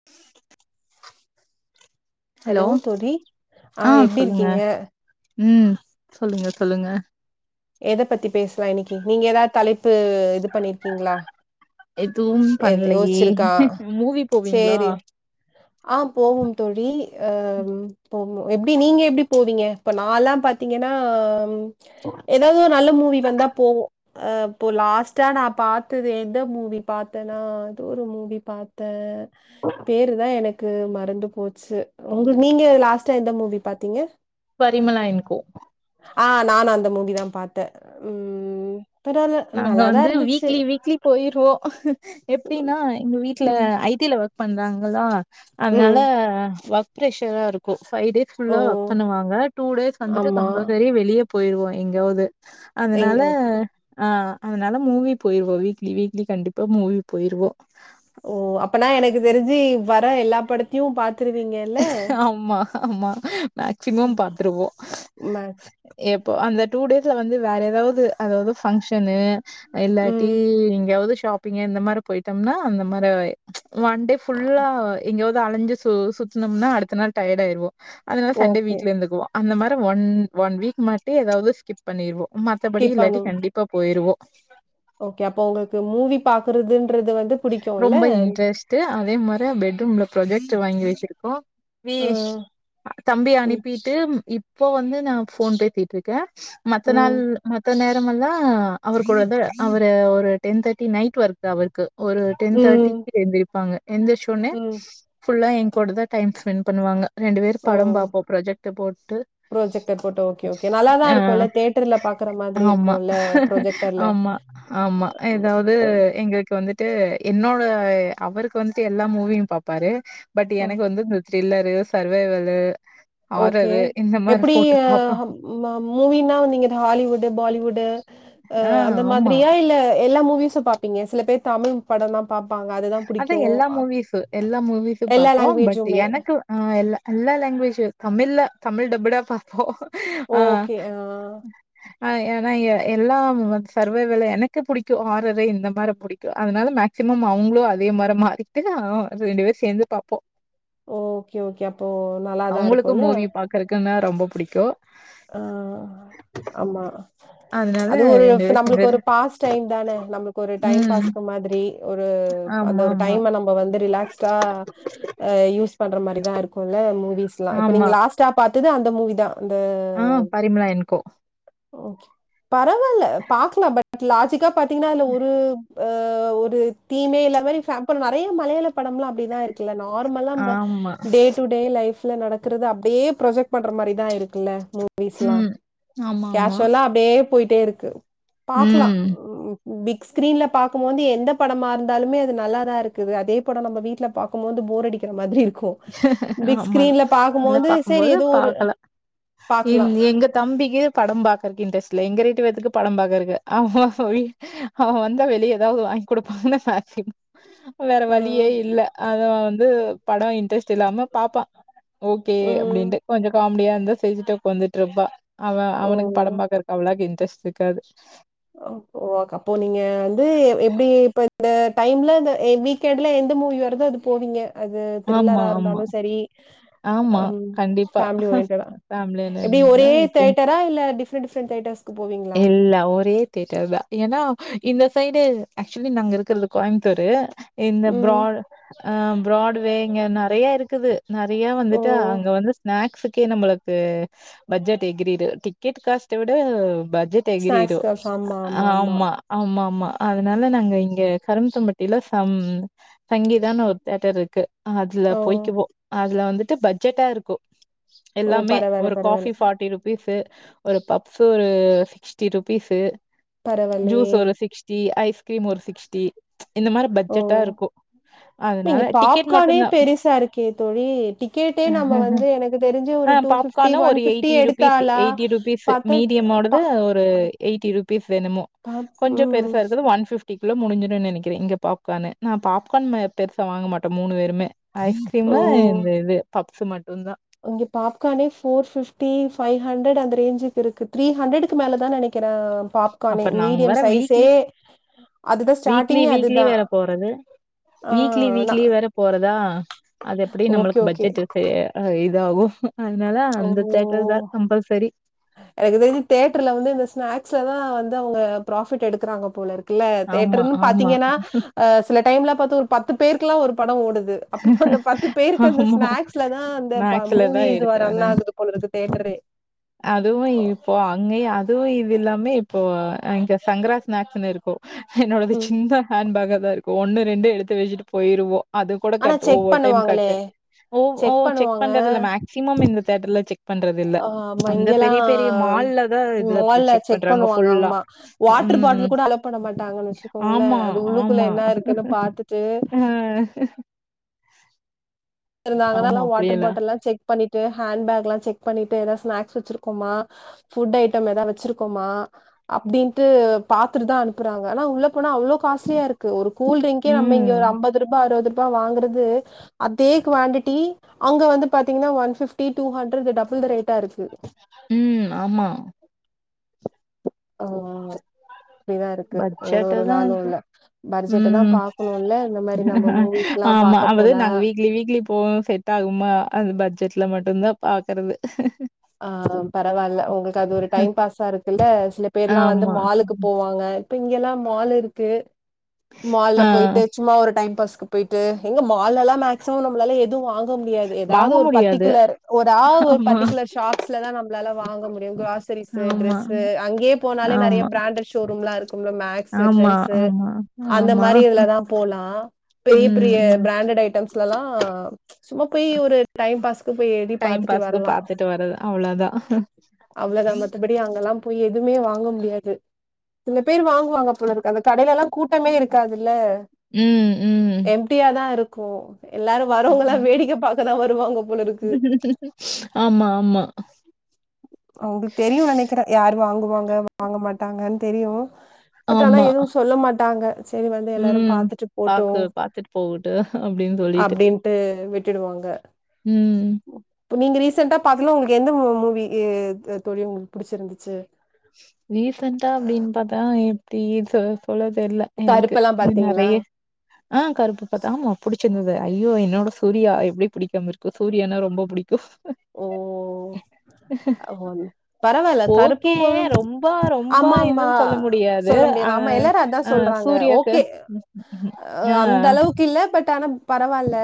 [unintelligible] Hello ஆ எப்டி சொல்லுங்க இருக்கீங்க ம் சொல்லுங்க சொல்லுங்க எத பத்தி பேசலா இன்னைக்கீ நீங்க எதாவுது தலைப்பு இது பண்ணிருக்கீங்ளா எதுவு பண்லையே மூவி போவீங்ளா சேரி ஆ போவோம் தோழி அ போகு எப்டி நீங்க எப்டி போவீங்க இப்ப நால்லா பாத்தீங்கன்னா எதாவுது ஒரு நல்ல மூவி வந்தா போவோ அ இப்போ லாஸ்ட்டா நா பாத்தது எந்த மூவி பாத்தன்னா ஏதோ ஒரு மூவி பாத்த பேரு தா என க்கு மறந்து போச்சு உங்க நீங்க லாஸ்ட்டா எந்த மூவி பாத்தீங்க பரிமலா என்கோ ஆ நானு அந்த மூவிதா பாத்த ம் பரவால்ல நாங்க நல்லாதா வந்து இருந்துச்சு வீக்லி வீக்லி போயிருவோ எப்டின்னா எங்க வீட்ல ம். ஐ டில ஒர்க் பண்றாங்ளா அதனால ம். ஒர்க் ப்ரஷரா இருக்கு ஃபைவ் டேஸ் ஓ! ஃபுல்லா ஒர்க் பண்ணுவாங்க டூ டேஸ் வந்துட்டு ஆமா. கம்பல்சரி வெளிய போயிருவோ எங்கியாவுது எங் அதனால ஓகே. ஆ அதனால மூவி போயிருவோ வீக்லி வீக்லி கண்டிப்பா மூவி போயிருவோ ஓ அப்பனா எனக்கு தெரிஞ்சு வர எல்லா படத்தையு பாத் ஆம்மா ஆம்மா மேக்ச்சிமம் பாத்துருவோ மேக்ஸ் எப்போ அந்த டூ டேஸ்ல வந்து வேற எதாவுது அதாது ஃபங்ஷனு இல்லாட்டி ம். எங்கயாவுது ஷாப்பிங்கு இந்த மாரி போயிட்டோம்னா அந்த மாரி ஒன் டே அ ஃபுல்லா எங்கியாவுது அலைஞ்சு சுத்தனோம்னா அடுத்த நாள் டயட் ஆயிருவோ அதனால சண்டே ஓகே. வீட்ல இருந்துக்குவோ அந்த மாரி ஒன் ஒன் வீக் மட்டு எதாவுது ஸ்கிப் பண்ணிருவோ மத்தபடி கீப் இல்லாட்டி பண்ணும். கண்டிப்பா போயிருவோ ஓகே அப்போ உங்களுக்கு மூவி பாக்குறதுன்றது வந்து பிடிக்கும்ல? ரொம்ப இன்ட்ரெஸ்ட்டு அதே மாரி பெட்ரூம்ல ப்ரொஜெக்ட்ர் வாங்கி வச்சிருக்கோ அ. விஸ் தம்பி ம். அனுப்பிட்டு இப்போ வந்து நா ஃபோன் பேசிட் ருக்கே மத்த நாள் ம். மத்த நே ரமெல்லா அவுரு கூட அவரு ஒரு டென் தேட்டி நைட் ஒர்க் அவுருக்கு ஒரு டென் ம். தேட்டிக்கு எழுந்திருப்பாங்க எந்திச்ச ஓன்னே ம். ஃபுல்லா எ கூட தா டைம் ஸ்பெண்ட் பண்ணுவாங்க ரெண்டு பேரு படோ பாப்போ ப்ரொஜெக்ட்ர் போட்டு ப்ரொஜெக்டர் போட்டு ஓகே ஓகே நல்லாதா ஆ இருக்குல்ல தேட்டர்ல பாக்குற மாரி ஆமா இருக்குல்ல ப்ரொஜெக்டர்ல ஆமா ஆமா எதாவுது எங்க வந்துட்டு என்னோட அவருக்கு வந்துட்டு எல்லா மூவியு பாப்பாரு பட் ஓ எனக்கு வந்து த்ரில்லரு, சர்வைவல்லு, ஹாரரு இந்த மாரி எப்டி போட்டு பாப்போ ம மூவினா நீங்க ஹாலிவுட்டு, பாலிவுட்டு அ ஆ அந்த ஆமா. மாதிரியா இல்ல எல்லா மூவிஸு பாப்பீங்க சில பேர் தமிழ் படோ தா பாப்பாங்க அதுதா அதா எல்லா மூவிஸு எல்லா மூவிஸு எல்லா பாப்போ பட் லாங்குவேஜுமே. எனக்கு ஆ எல்ல எல்லா லாங்குவேஜ் தமிழ்ல தமிழ் டப்புடா பாப்போ ஆ ஓகே. ஆ ஆ ஏனா எல்லா சர்வே வேல எனக்கு புடிக்கு ஆறுரை இந்த மாரி புடிக்கு அதனால மேக்சிமம் அவங்களு அதே மாற மாறிகிட்டு ரெண்டு பேரு சேர்ந்து பாப்போ ஓகே ஓகே அப்போ நல்லாதா இருக்குல்ல கருகன்னா ரொம்ப புடிக்கு ஆ ஆமா அதனால அது ஒரு பேரும் நம்மளுக்கு சேந்து ஒரு பாஸ் டைம் தானே நம்மளுக்கு ஒரு டைம் ம். பாஸ்கு மாறி ஒரு அந்த ஒரு ஆமாமா. டைம நம்ம வந்து ரிலாக்ஸ்டா அ யூஸ் பண்ற மாரிதா இருக்குல்ல மூவிஸ்ல்லா இப்ப ஆமா. நீங்க லாஸ்ட்டா பாத்தது அந்த மூவிதா அந்த ஆ பரிமலா என் கோ ஓகே பரவாயில்ல பாக்கலா பட் லாஜிக்கா பாத்தீங்கன்னா அதுல ஒரு ஆ ஒரு தீமே இல்லாத மாறி ஃபேப் பண்ணணு நெறைய மலையாள படம்லா அப்டி தா இருக்கு இந்த நார்மல இந்த ஆமா. டேட் டூ டே லைப்ல நடக்குறது அப்டியே ப்ரொஜெக்ட் பண்ற மாறிதா இருக்குல்ல மூவிஸ்லா ம். ஆமாமா. கேஷுவுல்லா அப்டியே போயிட்டே இருக்கு பாக்கலா ம். ம் பிக்ஸ்கிரீன்ல பாக்கும் போது எந்த படமா இருந்தாலுமே அது நல்லா தா இருக்குது அதே படம் நம்ம வீட்டுல பா க்கும் போது போர் அடிக்கிற மாறி இருக்கு ஆமா இதல்ல சரி பாக்கபோது ஏதோ ஒரு பாகலா பாக்கலாம். எங்க தம்பிக்கி படம் பாக்கறக்கு இன்ட்ரஸ்ட் இல்ல எங்க ரெண்டு பேத்துக்கு படம் பாக்றக்கு ஆமா அவன் வந்தா வெளியே ஏதாவது வாங்கி கொடுப்பாங்கன்னு சாத்திய வேற வழியே ம். இல்ல அத வந்து படம் இன்ட்ரெஸ்ட் இல்லாம பாப்பா ஓகே ம். அப்டின்ட்டு கொஞ்சோ காமெடியா இருந்தா சிரிச்சுட்டு உக்காந்துட்டு இருப்பா அவ அவனுக்கு ஓ! படம் பாக்குறக்கு அவளேவுக்கு இன்ட்ரெஸ்ட் இருக்காது ஓ ஓ அப்போ நீங்க வந்து எப்டி இப்ப இந்த டைம்ல வீக்கெண்ட்ல எந்த மூவி வருது அது போவிங்க அது ஆமா த்ரில்லரா ஆமா இருந்தாலு சரி ஆ ஆமா கண்டிப்பா ஃபேமிலி ஒரியன்டர ஃபேமிலில எப்டி இருந்தா ஒரே எப்டின்னு தேட்டரா இல்ல டிஃப் பிரின்ட் பிரின்டைடஸ் இல்ல ஒரே தியேட்டர் தா ஏன்னா இந்த சைடு ஆக்சுலி நாங்க இருக்கிறது கோயமுத்தூரு இந்த ம். ப்ரான் அ ப்ராட்வே இங்க நெறய இருக்குது நெறய ஓ! வந்துட்டு அங்க வந்து ஸ்நாக்ஸுக்கே நம்மளுக்கு ஆ பட்ஜெட் எகிரிடு டிக்கெட் காஸ்ட வீட பட்ஜெட் ஸ்நாக்ஸ் எகிரிடு காசு. ஆமா, ஆமா ஆமா ஆமா அதனால நாங்க இங்க கரும் தம்பட்டில சம் சங்கீதான்னு ஒரு தேட்டர் இருக்கு அதுல ஓ! போய்க்குவோ அதுல வந்துட்டு பட்ஜெட்டா இருக்கு ஓ! எல்லாமே பரவால்ல, ஒரு காஃபி பரவால்ல. பார்ட்டி ரூ பிஸ் ஒரு பப்ஸ்ஸு ஒரு சிக்ஸ்டி ரூபிஸு ஜூஸ் பரவால்லையே! ஒரு சிக்ஸ் டி ஐஸ்கிரீம் ஒரு சிக்ஸ்டி இந்த மாறி பட்ஜெட்டா இருக்கும் அதனால இங்கே டிக்கெட் பாப்கார்னே மட்டும் தான். பெருசா இருக்கே தோழி டிக்கெட்டே நம்ம வந்து எனக்கு தெரிஞ்சு ஒரு டூ பிப் கானு ஒரு எயிட்டி ருபீஸ் எயிட்டி ருபீஸ் பாத்தா மீடியம் ஓட ப ந்து அது ஒரு எயிட்டி ருபீஸ் வேணுமோ ப கொஞ்சோ ம். பெருசா இருக்குது ஒன் பிப்டி குள்ளே முடிஞ்சுடுனு நினைக்கிறே இங்க பாப்கார்னு நா பாப்கார்ன் பெருச வாங்க மாட்டோ மூணு பேருமே ஓ ஐஸ்கிரீமு இந்த இது பப்ஸ் மட்டு தா இங்கே பாப்கான்னே ஃபேர் ஃபிப்டி ஃபைவ்ஹண்ட்ரட் அந்த ரேஞ்சுக்கு இருக்கு த்ரீ ஹண்ட்ரடுக்கு மேல தா நெனைக்கிறே பாப்கானே அப்ப நாங்க மீடியம் வேற சைஸே வீக்லி அதுதா வீக்லி ஸ்டார்டிங்கே வீக்லி அதுதா வேற போறது. ஆ வீக்லி நா வீக்லி வேற போறதா அது எப்டி ஓகே நம்ளுக்கு ஓகே பட்ஜெட் அ அ இதாகு அதனால ஓ அந்த தேட்டர்தா கம்பல்சரி எனக்கு தெரிஞ்சு தேட்டர்ல வந்து இந்த ஸ்நாக்ஸ்லதா வந்து அவுங்க ப்ராஃபிட் எடுக்குறாங்க போலருக் இல்ல ஆமா தேட்டர்ன்னு ஆமா பாத்திங்கன்னா அ சில டைம்ல பாத்தா ஒரு பத்து பேருக்குல்லா ஒரு படோ ஓடுது அப்போ அந்த பத்து பேருக்கு அந்த ஆமா ஸ்நாக்ஸ்லதா அந்த ழ மேக்ஸ்ல தா மூவி இதுவே ரன் எடுக்கறே ஆகுது போலருக்கு தேட்டரே அதுவு இப்போ அங்கயு அதுவு இது இல்லாமே இப்போ இங்க சங்கரா ஸ்நாக்ஸ்ன்னுருக்கு என்னோடது ம் சிந்தா ஹேன்பேகாதா இருக்கு ஒண்ணு ரெண்டு எடுத்து வச்சுட்டு பொயிருவோ அது கூட ஆனா கட் செக் ஒவ்வொரு டைம் கட் பண்ணுவாங்களே செக் பண்ணுவாங்க பண்றது இல்ல ஆமா அந்த இங்கெல்லா பெரிய பெரிய மால்ல தா இதுல மால்ல செக் பண்றாங்க பண்ணுவாங்க ஃபுல்லா அம்மா வாட்டர் ம் பாட்டில் கூட அலோ பண்ண மாட்டாங்கன்னு வச்சுக்கோங்களே ஆமா அது உள்ளுக்குள்ள ஆமா என்ன இருக்குன்னு பாத்துட்டு அ இருந்தாங்கன்னா ஆமா, எல்லா வாட்டர் அப்படியெல்லாம். பாட்டில்லா செக் பண்ணிட்டு ஹேண்ட் பேக் எல்லா செக் பண்ணிட்டு ஏதா ஸ்நாக்ஸ் வச்சிருக்கோமா ஃபுட்டு ஐட்டம் எதா வச்சிருக்கோமா அப்டின்னுட்டு பாத்துட்டுதா அனுப்புறாங்க ஆனா உள்ள போனா அவ்ளோ காஸ்ஸ்லியாருக் ஒரு கூல்ட்ரிக்கே நம்ம ம். இங்க ஒரு அம்பது ருபா அறுவது ருபா வாங்குறது அ தே குவான்டிட்டி அங்க வந்து பாத்திங்ன்னா one fifty two hundred double தே ரேட்டா இருக்கு ம் ஆமா ஓ அப்டிதா இருக்கு ஒரு பட்ஜெட்டு ஒரு தான் நாளு இப்போ. இல்ல பர்ஜெட்ட தா ம். பாக்கணுல்ல இந்த மாரி நம்ம மூணு வீஸ் எல்லா ஆமா. பாக்க அதாவது போனா நாங்க வீக்லி வீக்லி போகு செட் ஆகுமா அந்த பட்ஜெட்ல மட்டுதா பாக்றது அ பரவால்ல உங்ளுக்கு அது ஒரு டைம் பாஸா இருக்குல்ல சில பேர்ல்லா வந்து ஆமா. மாலுக்கு போவாங்க ங்க இப்ப இங்கல்லா மால் இருக்கு மால்ல ஆ. பொய்ட்டு சும்மா ஒரு டைம் பாஸ்கு பொயிட்டு எங்க மால்லல்லா சோ நம்ளால எதுவு வாங்க முடியாது வாங்க ஏதாவ்து ஒரு முடியாது. பர்டிகுலர் ஒராவ் ஒரு ஆமா, பர்டிகுலர் ஷாப் ல தா நம்ளால வாங்க முடியு க்ராஸ் ஆக்சரிஸ்ஸூ ஆமா, டிரெஸ்ஸூ அங்கேய போனாலே நறைய ஆமா, பிராண்டட் ஷோரூம்ல இருக்கும்ல மேக்ஸ்ஸூ ஆமா, ட்ரெண்ட்ஸ்ஸூ ஆமா, அந்த ஆமா. மாரி இதுலதா போலா பெரிய ம், பெரிய ம். பிராண்டட் ஐட்டம்ஸ் லல்லா சும்மா போய் ஒரு டைம் பாஸ் போய் ஏறி டைம் பாத்துட்டு பாஸ்க்கு வர்லா பாத்துட்டு வர்றது. அவ்வளோதான். அவ்ளோதா மத்தப படி அங்கல்லா போய் எதுமே போய் வாங்க முடியாது சில பேர் வாங்குவாங்க போலருக்கு அந்த கடைய்லெல்லா கூட் டமே இருக்காது இல்ல ம் ம் எம்டியாதா இருக்கு எல்லாரு வரவ்ங்கல்லா வேடிக்க பாக்கதா வருவாங்க போல இருக்கு. ஆமா ஆமா அவுங்களுக்கு தெரியு நெனைக்கிறே யாரு வாங்குவாங்க வாங்க மாட்டாங்கன் தெரியு பட் ஆனா ஆமா. எதுவு சொல்ல மாட்டாங்க சரி வந்து எல்லாரு ம். பாத்துட்டு போட்டு பாக்கு பாத்துட்டு போகட்டு அப்டின்னு சொல்லிட்டு. அப்டின்ட்டு விட்டுடுவாங்க ம் இப்ப நீங்க ரீசெண்டா பாத்தணு உங்ளுக்கு எந்த மூவி தோழி உங்ளுக்கு புடிச்சிருந்துச்சு ரீசன்டா அப்டின் பாத்தா எப்டி சொ சொல்ல தெர்ல எனக்கு கருப்பெல்லா பாத்தீங்களா நறைய அ கருப்பு பாத்தா ஆமா புடிச்சிருந்துது ஐயோ என்னோட சூர்யா எப்டி புடிக்காம இருக்கு சூர்யனா ரொம்ப புடிக்கு ஓ ஓ அ பரவால்ல கருப்பு ஓகே. ப்போல் ரொம்ப ரொம்ப ஆமா ஆமா இதுன்னு சொல்ல முடியாது. சொல்ல அ முடியாது ஆமா எல்லாரு அதா சொல்றாங்க ஓகே யா க்கில்ல பட் ஆனா பரவால்ல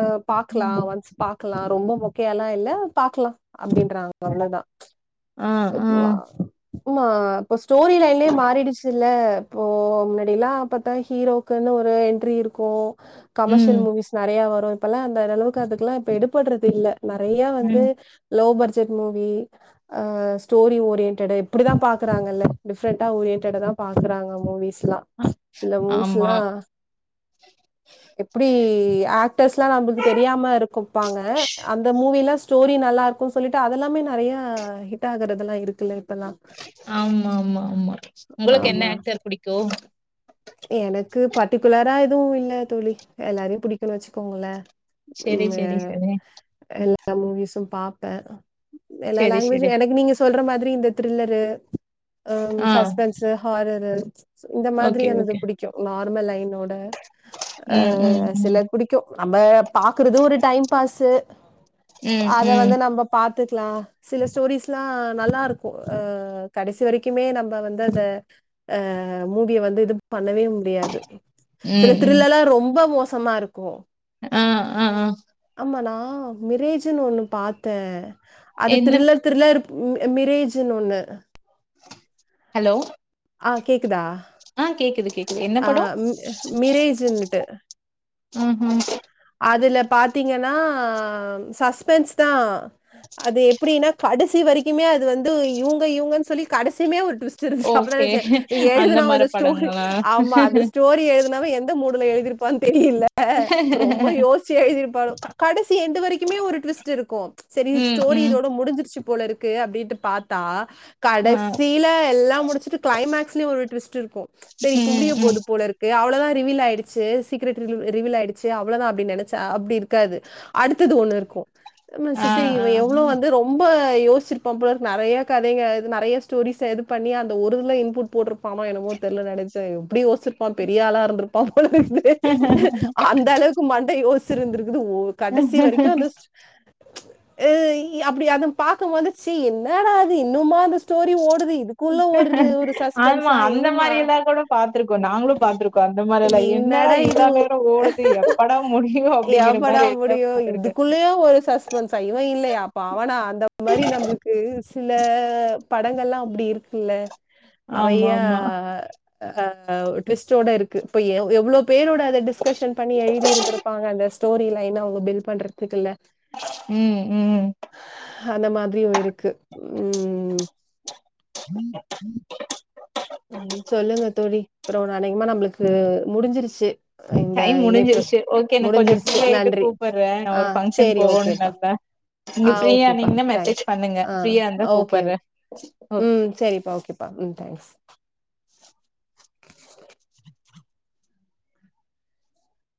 அ பக்லா ம். ஒன்ஸ் பாக்லா ரொம்ப மொ க்கையால்லா இல்ல பாக்லா அப்டின்றாங்க அவ்ளொதா ஆ ஆ. இப்ப மா இப்ப ஸ்டோரி லைன்லயே மாறிடிச்சு ல்ல இப்போ முன்னாடியெல்லா பாத்தா ஹீரோக்குன்னு ஒரு என்ட்ரி இருக்கு கமர்ஷியல் ம். மூவிஸ் நறைய வரு இப்பல்லா அந்தளவுக்கு அதுக்குல்லா இப்ப எடுபட்றது இல்ல நறைய வந்து ம். லோ பட்ஜெட் மூவி ஆ ஸ்டோரி ஓரியன்ட்டடு இப்டி தா பாக்குறாங்கல்ல டிஃப்ரெண்ட்டா ஓரியன்டடதா பாக்குறாங்க மூவிஸ்லா சில ஆமா. மூவிஸ்லா எப்டி ஆக்டர்ஸ்லா நம்ளுக்கு தெரியாம இருக்கப்பாங்க அந்த மூவிலா ஸ்டோரி நல்லா இருக்கூன் சொல்லிட்டு அதெல்லாமே நறையா ஹிட் ஆகுறதெல்லா இருக்குல்லை ஆமா ஆமா ஆமா உங்களுக்கு என்ன ஆமா ஆக்ட்டர் புடிக்கு எனக்கு பர்ட்டிகுலரா எதுவு இல்ல தோழி எல்லாரையு புடிக்கூண் வச்சுக்கோங்கள சரி ம்ம சரி சரி. எல்லா மூவிஸும் பாப்ப எல்லா சரி சரி. லாங்வேஜு எனக்கு நீங்க சொல்ற மாதிரி இந்த த்ரில்லர் ஆ சஸ்பென்ஸு ஹாரரு இந்த ஓகே, மாத்ரியானது ஓகே. புடிக்கு நார்மல் லைனோட ஆ ம், ம், சில ம், புடிக்கு நம்ப பாக்குறது ஒரு டைம் பாஸு ம், அத ம், வந்து நம்பப் பாத்துக்லா சில ஸ்டோரிஸ்லா நல்லாருக்கு ஆ கடசி வரைக்கிமே நம்ப வந்து அத அ மூவிய வந்து இது பண்ணவே முடியாது சில ம், ம். த்ரில்லலா ரொம்ப மோசமாருக்கு ஆ ஆ ஆமா நா மிரேஜ்ஜுன் ஒண்ணு பாத்த அது என்ன த்ரில்ல த்ருல்லர் ம் மிரேஜுனு ஒண்ணு ஹெலோ ஆ கேக்குதா ஆ கேக்குது கேக் ஆ ம் மிரேஜுன்னுட்டு ம் ஹ்ம் அதுல பாத்தீங்கன்னா சஸ்பென்ஸ் தா அது எப்டின்னா கடசி வரிக்கிமே அது வந்து இவ்ங்க இவ்ங்கன் சொல்லி கடசிமே ஒர் ட்விஸ்ட்டு இருந்ச் அப்பதா ஓகே. நென்ச்ச அந்த எழுதுனவ மார இந்த ஸ்டோரி படங்களா? ஆமா அந்த ஸ்டோரி எழுதுனவ எந் த மூடுல எழுதிருப்பான் தெரியில ஓஸ்ச்சி எழுதிர்ப்பாளநனோ கடசி எண்டு வரைக்கிமே ஒரு ட்விஸ்ட்டு இருக்கு செரி ம், ஸ்டோரி ம். இதோட முடிஞ்சிர்ச்சு போலருக்கு அப்டின்ட்டு பாத்தா ஆ, கடசீல எல்லாம் முடிச்சிட்டு க்ளைமேக்ஸ்லியு ஒரு ட்விஸ்ட்டு இருக்கு செரி இப்போ ம், முடியபோது ம். போலருக் கு அவ்ளொதா ரிவீலாய்டுச்சி சீக்ரெட் ரிலு ரிவீல் ஆய்டு ச்சி அவ்ளதா அப்டின் நெனச்சா அப்டி இருக்காது அடுத்தது ஒண்ணு இருக்கு ஆ, நென்ச்ச செ ஆ. இவ எவ்ளோ வந் து ரொம்ப யோஸ்ச்சிர்ப்பா போலருக் நறைய கதைங்க இது நறைய ஸ்டோரிஸ இது பண்ணி அந்த ஒரு இத்ல இன்ப்புட் போட்ரு பானோ என்னவோ தெர்ல நெனச்ச எப்டி யோஸ்ச்சிர்ப்பா பெரிய ஆளா இருந்துர்ப்பா போலக்து அந்த அளவுக்கு மண்ட யோஸ்சு இருந்துருக்குது ஒ கடசீ வரைக்கு அந்த ஸ் ஆ அப்டி அத பாக்கம்போது சி என்னாடா இது இன்னுமா அந்த ஸ்டோரி ஓடுது இது க்குள்ள ஒருது ஒரு ஆமா, சஸ்பென்ஸா அந்த இன்னுமா மாரியெல்லாம் கூட பாத்துருக்கோம். நாங்களும் பாத்துருக்கோம். அந்த மாரியெல்லாம். என்னடா இன்னடா இது இவ்ளோ உ நேரம் ஓடுது எப்படா முடியும்? அப்படிங்கிற எப்படா மாரி எல்லாம் முடியு பாத்துருக்கேன். இதுக்குள்ளயா ஒரு சஸ் வன்செய் இவன் இல்லயா ப அவனா அந்த மாரி நம்மளுக்கு சில படங்கள்லா அப்டிருக் இல்ல ஆமா, நெறயா ஆமா. ஆ டுவிஸ்டோடருக்கு இப்ப எவ் எவ்ளோ பேரோட அத டிஸ் கஷன் பண்ணி எழுதிருந்துருப்பாங்க அந்த ஸ்டோரி லைனா அவ்ங்க பில் பண்றதுக்குல்ல ம் ம் அந்த மாதிரியும் இருக்கு ம் சொல்லுங்க தோழி அப்றோ அனேகமா நம்மளுக்கு முடிஞ்சிருச்சு இந்த டைம் இணைப்பு முடிஞ்சிருச்சு ஓகே நா கொஞ்சோ ஃப்ரீ முடிஞ்சிருச்சு ஆயிட்டு நன்றி கூப்பட்றே நா ஆ ஒரு ஃபங்க்ஷன் செரி ஓகேப்பா போகோணுனல்ல நீங்க ஆ ஓகேப்பா ஃப்ரீயானீங்கன்னா மெசேஜ் தேங்க்ஸ் பண்ணுங்க ஆ ஃப்ரீயா இருந்தா ஓகே கூப்பட்றே ஓகே ம் செரிப்பா ஓகே பா ம் தேங்க்ஸ்